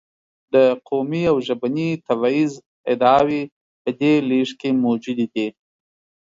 د قومي او ژبني تبعیض ادعاوې په دې لېږد کې موجودې دي.